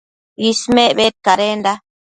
Ismec bedcadenda